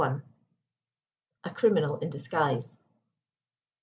* *A CRIMINAL IN DISGUISE.